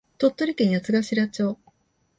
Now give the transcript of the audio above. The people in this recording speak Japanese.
鳥取県八頭町